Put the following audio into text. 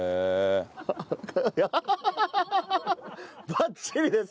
バッチリです。